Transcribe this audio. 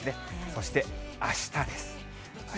そしてあしたです。